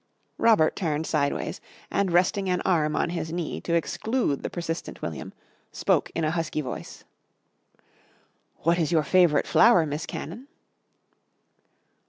Robert turned sideways, and resting an arm on his knee to exclude the persistent William, spoke in a husky voice. "What is your favourite flower, Miss Cannon?"